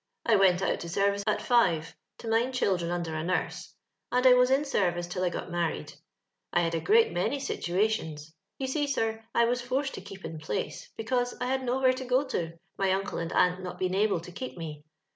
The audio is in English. I went out to service at five, to mind children under a nurse, and I was in service till I got married. I had a great many situations ; you see, sir, I was forced to keep in place, because I had nowhere to go to, my uncle and aunt not being able to keep me.